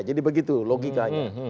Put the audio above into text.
jadi begitu logikanya